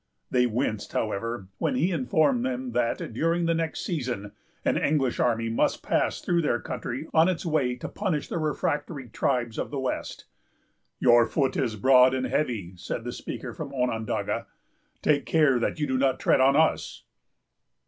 They winced, however, when he informed them that, during the next season, an English army must pass through their country, on its way to punish the refractory tribes of the West. "Your foot is broad and heavy," said the speaker from Onondaga; "take care that you do not tread on us."